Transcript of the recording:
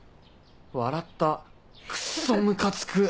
笑ったクソムカつく